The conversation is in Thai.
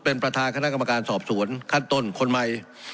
เป็นประธานคณะกรรมการสอบสวนขั้นต้นคนใหม่